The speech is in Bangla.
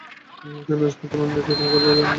তিনি লেশমাত্র অন্যায়কে ক্ষমা করিতে জানেন না।